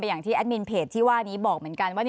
อย่างที่แอดมินเพจที่ว่านี้บอกเหมือนกันว่า